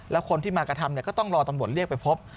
แล้วคนที่มากระทำก็ต้องรอตำรวจเรียกไปพบ